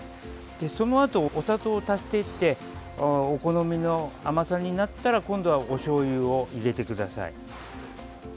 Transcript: そのあと、お砂糖を足していってお好みの甘さになったら今度はおしょうゆを入れてください。